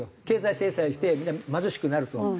経済制裁をして貧しくなると。